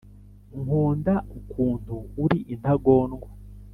nkunda ukuntu uri intagondwa